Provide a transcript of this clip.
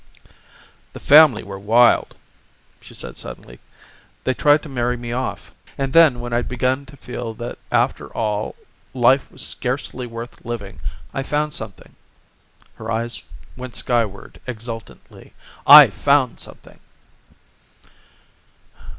"The family were wild," she said suddenly. "They tried to marry me off. And then when I'd begun to feel that after all life was scarcely worth living I found something" her eyes went skyward exultantly "I found something!"